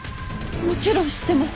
もちろん知ってます。